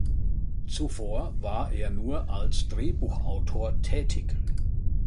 Zuvor war er nur als Drehbuchautor tätig.